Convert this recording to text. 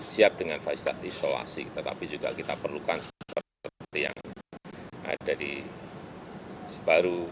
siap dengan fasilitas isolasi tetapi juga kita perlukan seperti yang ada di sebaru